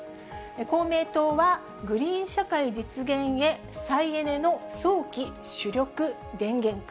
公明党は、グリーン社会実現へ、再エネの早期主力電源化。